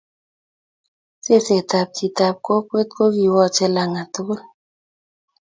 Seset ab chi ab kokwet ko ki wache langat tukul